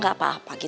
gak ada lagi